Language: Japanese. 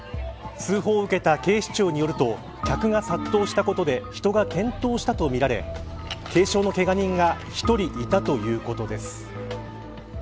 通報を受けた警視庁によると客が殺到したことで人が転倒したとみられ軽傷のけが人が１人いたということです。